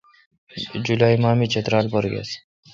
بہ جولالی ماہ می چترال پر گیس۔